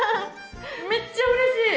めっちゃうれしい。